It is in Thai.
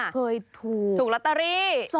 เคยถูกลอตเตอรี่